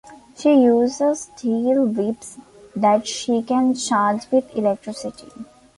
She uses steel whips that she can charge with electricity.